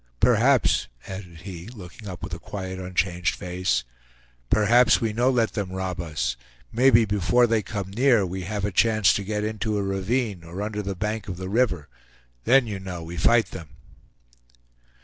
Perhaps," added he, looking up with a quiet, unchanged face, "perhaps we no let them rob us. Maybe before they come near, we have a chance to get into a ravine, or under the bank of the river; then, you know, we fight them."